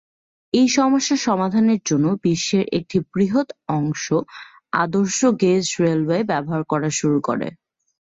এই সমস্যার সমাধানের জন্য বিশ্বের একটি বৃহৎ অংশ আদর্শ-গেজ রেলওয়ে ব্যবহার করা শুরু করে।